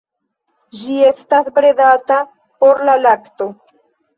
Ĝi estas bredata por la lakto.